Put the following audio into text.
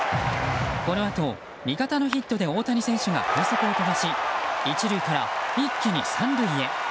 このあと味方のヒットで大谷選手が快足を飛ばし１塁から一気に３塁へ。